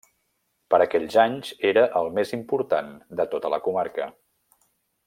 Per aquells anys era el més important de tota la comarca.